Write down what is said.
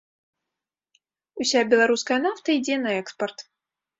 Уся беларуская нафта ідзе на экспарт.